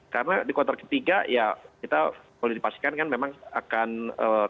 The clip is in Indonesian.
karena di kontrak ketiga ya kita boleh dipastikan kan memang akan kontrak